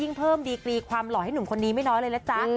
เพิ่มดีกรีความหล่อให้หนุ่มคนนี้ไม่น้อยเลยนะจ๊ะ